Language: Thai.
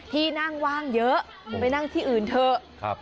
ที่นั่งว่างเยอะมึงไปนั่งที่อื่นเถอะ